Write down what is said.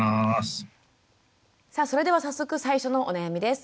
さあそれでは早速最初のお悩みです。